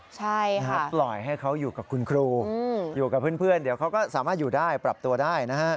ใช่ค่ะปล่อยให้เขาอยู่กับคุณครูอยู่กับเพื่อนเดี๋ยวเขาก็สามารถอยู่ได้ปรับตัวได้นะฮะ